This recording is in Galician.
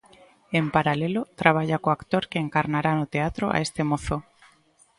En paralelo, traballa co actor que encarnará no teatro a este mozo.